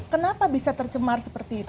kenapa bisa tercemar seperti itu